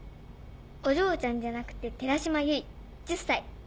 「お嬢ちゃん」じゃなくて寺島唯１０歳。